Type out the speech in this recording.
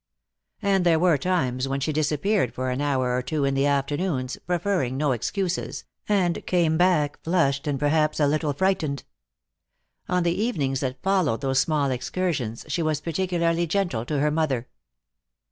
And there were times when she disappeared for an hour or two in the afternoons, proffering no excuses, and came back flushed, and perhaps a little frightened. On the evenings that followed those small excursions she was particularly gentle to her mother.